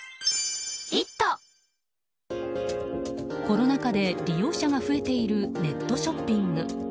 コロナ禍で利用者が増えているネットショッピング。